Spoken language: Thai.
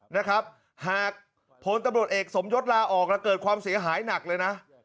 หากโพนตำรวจเอกสมยดละออกแล้วเกิดความเสียหายหนักเลยนะ